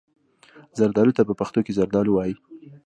زردالو ته په پښتو کې زردالو وايي.